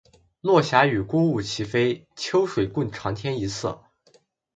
落霞与孤鹜齐飞，秋水共长天一色